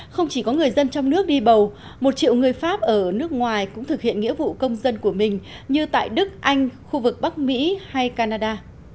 không chỉ có người dân trong nước đi bầu một triệu người pháp ở nước ngoài cũng thực hiện nghĩa vụ công dân của mình như tại đức anh khu vực bắc mỹ hay canada